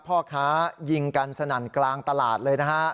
พ่อค้ายิงกันสนั่นกลางตลาดเลยนะฮะ